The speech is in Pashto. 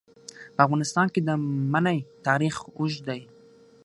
په افغانستان کې د منی تاریخ اوږد دی.